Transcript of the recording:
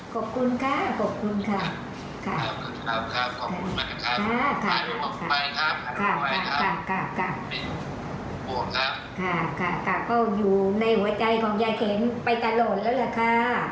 กลับก็อยู่ในหัวใจของยายแข็งไปตลอดแล้วล่ะค่ะ